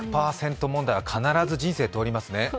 問題は必ず人生通りますね。